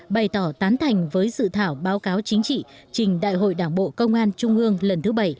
bày tỏ tán thành với dự thảo báo cáo chính trị trình đại hội đảng bộ công an trung ương lần thứ bảy